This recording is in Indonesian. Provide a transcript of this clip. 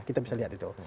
kita bisa lihat itu